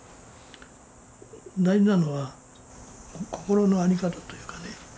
大事なのは心の在り方というかね。